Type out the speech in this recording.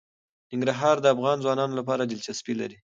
ننګرهار د افغان ځوانانو لپاره دلچسپي لري.